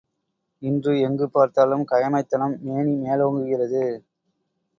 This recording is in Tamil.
இன்று எங்குப் பார்த்தாலும் கயமைத்தனம் மேனி மேலோங்குகிறது.